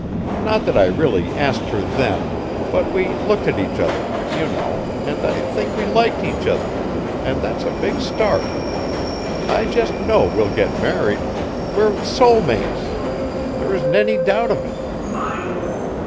Not that I really asked her then, but we looked at each other, you know, and I think we liked each other and that's a big start. I just know we'll get married we're soul mates! There isn't any doubt of it."